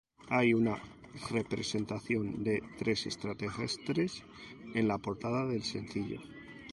Hay una representación de tres extraterrestres en la portada del sencillo.